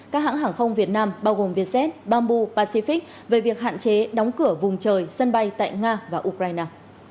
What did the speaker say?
các hãng hàng không việt nam bao gồm vietjet bamboo pacific về việc hạn chế đóng cửa vùng trời sân bay tại nga và ukraine